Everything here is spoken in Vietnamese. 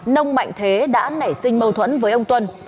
nông mạnh thế đã nảy sinh mâu thuẫn với ông tuân